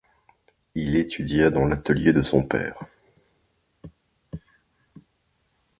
Il étudia dans l'atelier de son père.